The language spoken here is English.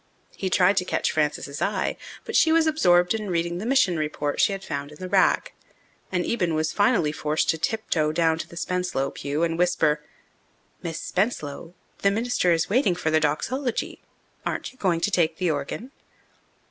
He tried to catch Frances's eye, but she was absorbed in reading the mission report she had found in the rack, and Eben was finally forced to tiptoe down to the Spenslow pew and whisper, "Miss Spenslow, the minister is waiting for the doxology. Aren't you going to take the organ?"